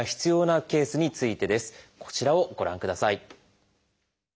こちらをご覧ください。